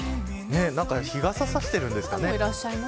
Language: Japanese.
日傘差してるんですかね。